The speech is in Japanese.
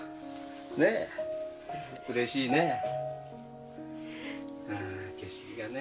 うれしいね。